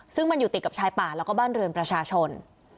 ซึ่งมันอยู่ติดกับชายป่าแล้วก็บ้านเรือนประชาชน